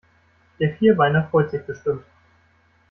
Der Vierbeiner freut sich bestimmt.